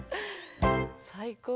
最高。